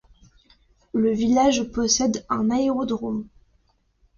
Le village possède un aérodrome.